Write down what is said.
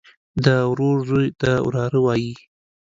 د ورور زوى ته وراره وايي.